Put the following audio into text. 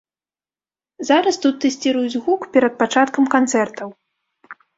Зараз тут тэсціруюць гук перад пачаткам канцэртаў.